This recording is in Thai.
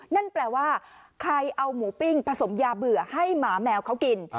นั่นแปลว่าใครเอาหมูปิ้งผสมยาเบื่อให้หมาแมวเขากิน